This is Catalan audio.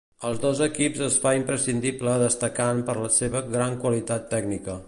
Als dos equips es fa imprescindible destacant per la seua gran qualitat tècnica.